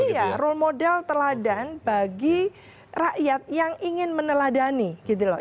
iya role model teladan bagi rakyat yang ingin meneladani gitu loh